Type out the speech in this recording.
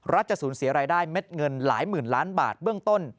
จะสูญเสียรายได้เม็ดเงินหลายหมื่นล้านบาทเบื้องต้น